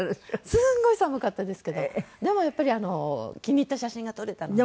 すごい寒かったですけどでもやっぱり気に入った写真が撮れたので。